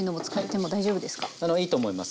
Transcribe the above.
あのいいと思います。